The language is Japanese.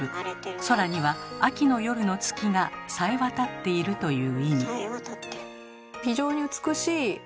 空には秋の夜の月がさえわたっている」という意味。